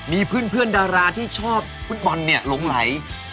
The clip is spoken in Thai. มีเพื่อนดาราที่ชอบฟุตบอลลงไหล